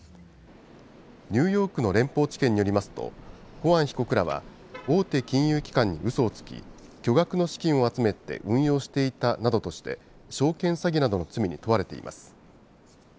ニューヨークの連邦地検によりますとホワン被告らは大手金融機関にうそをつき巨額の資金を集めて運用していたなどとして証券詐欺などの罪に問われています。